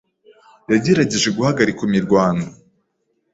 yagerageje guhagarika imirwano.